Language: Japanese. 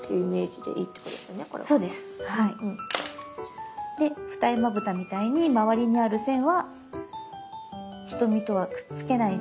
で二重まぶたみたいにまわりにある線は瞳とはくっつけないで。